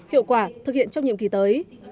hiệu quả thực hiện trong nhiệm kỳ tới